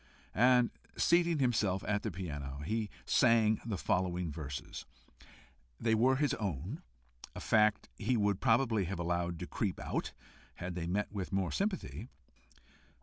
And seating himself at the piano, he sang the following verses. They were his own, a fact he would probably have allowed to creep out, had they met with more sympathy.